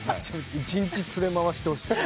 一日連れ回してほしい先生と。